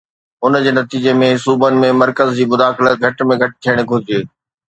ان جي نتيجي ۾ صوبن ۾ مرڪز جي مداخلت گهٽ ۾ گهٽ ٿيڻ گهرجي.